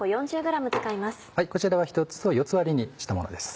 こちらは１つを４つ割りにしたものです。